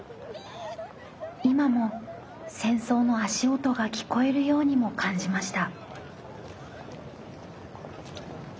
今も戦争の足音が聴こえるようにも感じました。